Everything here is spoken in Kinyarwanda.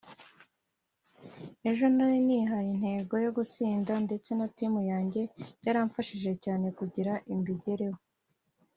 Ejo nari nihaye intego yo gutsinda ndetse na team yanjye yaramfashije cyane kugira mbigereho